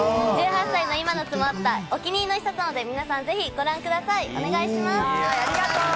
１８歳の今が詰まったお気に入りの一冊なので、ぜひご覧ください。